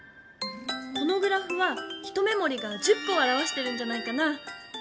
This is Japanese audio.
このグラフは一目もりが１０こをあらわしてるんじゃないかな？